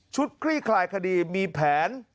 ชุดคลี่ขลายกรีกมีแผน